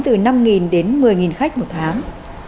từ năm đến một mươi khách một tháng